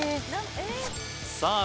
さあ